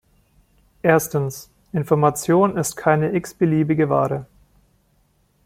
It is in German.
Erstens, Information ist keine x-beliebige Ware.